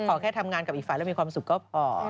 ขอแค่ทำงานกับอีกฝ่ายแล้วมีความสุขก็พอ